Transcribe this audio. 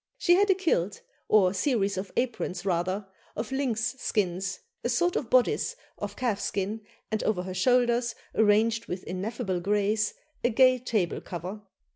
She had a kilt, or series of aprons rather, of lynx skins, a sort of bodice of calf skin, and over her shoulders, arranged with ineffable grace, a gay table cover.